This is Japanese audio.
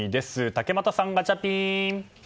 竹俣さん、ガチャピン。